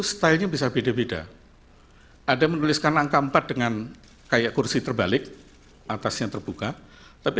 stylenya bisa beda beda ada menuliskan angka empat dengan kayak kursi terbalik atasnya terbuka tapi